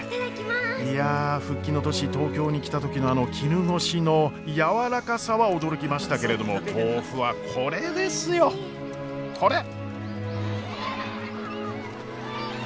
いや復帰の年東京に来た時のあの絹ごしの軟らかさは驚きましたけれども豆腐はこれですよこれ！